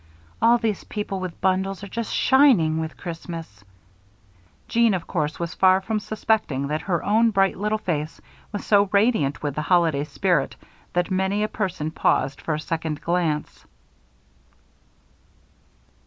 All these people with bundles are just shining with Christmas." Jeanne, of course, was far from suspecting that her own bright little face was so radiant with the holiday spirit that many a person paused for a second glance.